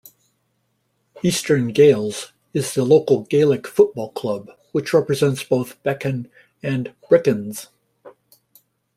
Eastern Gaels is the local Gaelic Football club which represents both Bekan and Brickeens.